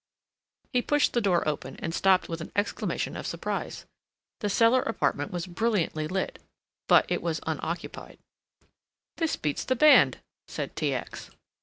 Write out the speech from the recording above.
He pushed the door open and stopped with an exclamation of surprise. The cellar apartment was brilliantly lit but it was unoccupied. "This beats the band," said T. X.